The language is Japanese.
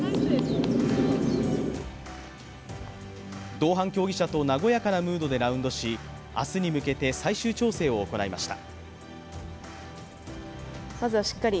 同伴競技者と和やかなムードでラウンドし明日に向けて最終調整を行いました。